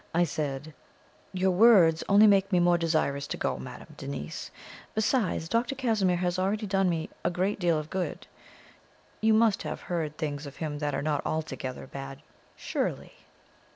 I said: "Your words only make me more desirous to go, Madame Denise. Besides, Dr. Casimir has already done me a great deal of good. You must have heard things of him that are not altogether bad, surely?"